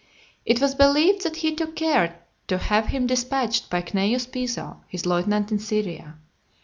It was believed that he took care to have him dispatched by Cneius Piso, his lieutenant in Syria.